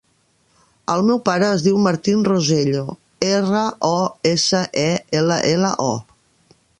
El meu pare es diu Martín Rosello: erra, o, essa, e, ela, ela, o.